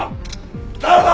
誰だ？